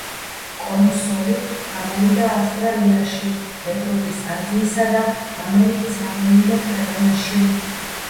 კონსოლი გამოვიდა ავსტრალიაში, ევროპის, აზიისა და ამერიკის რამდენიმე ქვეყანაში.